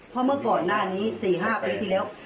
เพราะเมื่อก่อนหน้านี้๔๕ปีที่แล้ว